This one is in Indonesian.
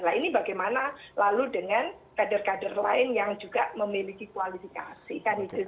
nah ini bagaimana lalu dengan kader kader lain yang juga memiliki kualifikasi